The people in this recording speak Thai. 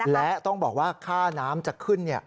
และต้องบอกว่าค่าน้ำจะขึ้น